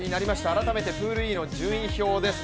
改めてプールＥの順位表です。